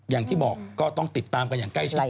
อย่างที่บอกก็ต้องติดตามกันอย่างใกล้ชิด